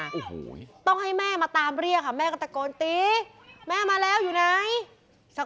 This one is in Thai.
ไอ้ไข้เขาตายไม่ต้องกลัวลูก